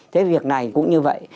thế việc này cũng như vậy